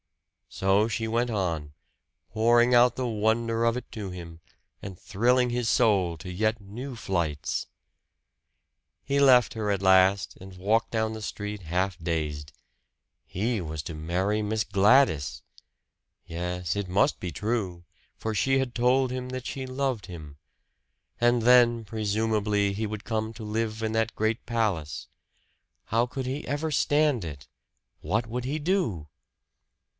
So she went on, pouring out the wonder of it to him, and thrilling his soul to yet new flights. He left her at last and walked down the street half dazed. He was to marry Miss Gladys! Yes, it must be true, for she had told him that she loved him! And then, presumably, he would come to live in that great palace. How could he ever stand it? What would he do?